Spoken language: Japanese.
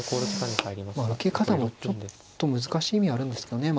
まあ受け方もちょっと難しい意味あるんですかね。